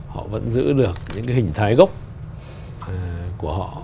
họ vẫn giữ được những cái hình thái gốc của họ